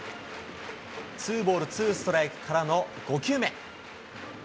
ツーボールツーストライクからの５球目。